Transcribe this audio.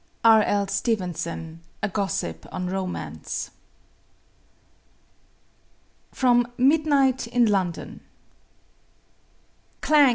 R.L. STEVENSON, A Gossip on Romance. FROM "MIDNIGHT IN LONDON" Clang!